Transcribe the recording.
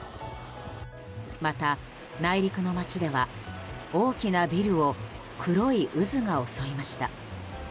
また、内陸の街では大きなビルを黒い渦が襲いました。